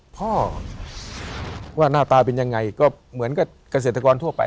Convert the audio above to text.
พ่อว่าหน้าตาเป็นยังไงก็เหมือนกับเกษตรกรทั่วไป